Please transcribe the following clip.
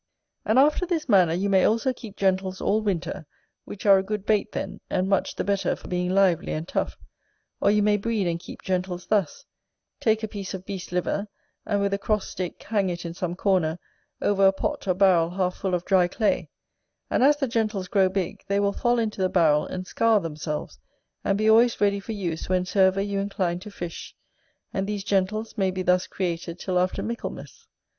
And after this manner you may also keep gentles all winter; which are a good bait then, and much the better for being lively and tough. Or you may breed and keep gentles thus: take a piece of beast's liver, and, with a cross stick, hang it in some corner, over a pot or barrel half full of dry clay; and as the gentles grow big, they will fall into the barrel and scour themselves, and be always ready for use whensoever you incline to fish; and these gentles may be thus created till after Michaelmas.